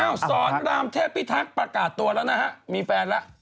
สอนรามเทพิทักษ์ประกาศตัวแล้วนะฮะมีแฟนแล้ว